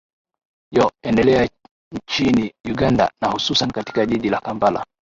yo endelea nchini uganda na hususan katika jiji la kampala